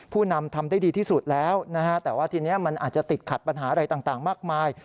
นำทำได้ดีที่สุดแล้วนะฮะแต่ว่าทีนี้มันอาจจะติดขัดปัญหาอะไรต่างมากมาย